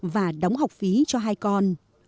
và đóng học phí cho hai con